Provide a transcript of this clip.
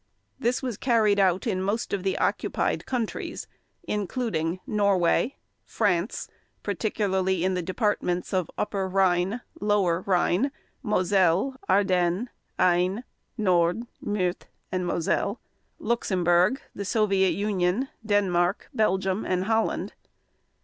This was carried out in most of the occupied countries including: Norway, France (particularly in the Departments of Upper Rhine, Lower Rhine, Moselle, Ardennes, Aisne, Nord, Meurthe and Moselle), Luxembourg, the Soviet Union, Denmark, Belgium, and Holland.